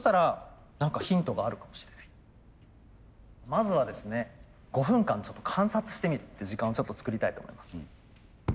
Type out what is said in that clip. まずはですね５分間ちょっと観察してみるって時間をちょっと作りたいと思います。